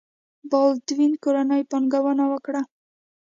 بالډوین کورنۍ پانګونه وکړه.